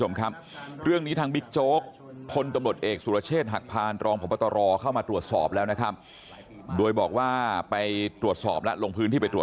หรือมีส่วนรู้เห็นกับการที่